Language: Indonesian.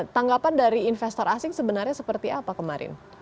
tanggapan dari investor asing sebenarnya seperti apa kemarin